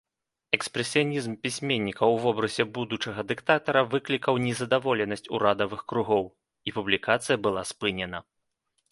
Экспрэсіянізм пісьменніка ў вобразе будучага дыктатара выклікаў незадаволенасць урадавых кругоў, і публікацыя была спынена.